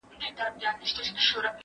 زه اجازه لرم چي لاس پرېولم!!